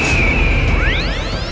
jangan berani kurang ajar padaku